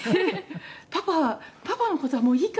「“パパパパの事はもういいから”って」